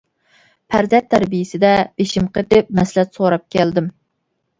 پەرزەنت تەربىيەسىدە بېشىم قېتىپ، مەسلىھەت سوراپ كەلدىم.